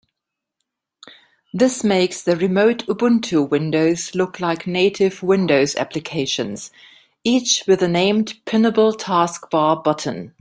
This makes the remote Ubuntu windows look like native Windows applications, each with a named pinnable taskbar button.